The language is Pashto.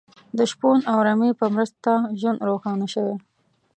د شپون او رمې په مرسته ژوند روښانه شوی.